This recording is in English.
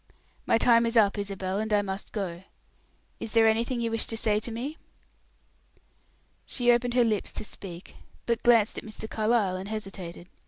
"My time is up, Isabel, and I must go. Is there anything you wish to say to me?" She opened her lips to speak, but glanced at Mr. Carlyle and hesitated.